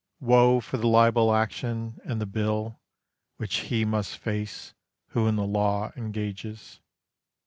Woe for the libel action, and the bill Which he must face who in the law engages.